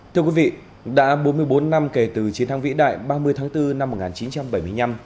thưa quý vị đã bốn mươi bốn năm kể từ chiến thắng vĩ đại ba mươi tháng bốn năm một nghìn chín trăm bảy mươi năm